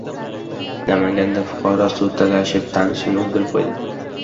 Namanganda fuqaro suv talashib, tanishini o‘ldirib qo‘ydi